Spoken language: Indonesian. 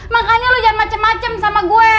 makanya lo jangan macem macem sama gue